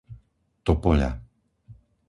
Topoľa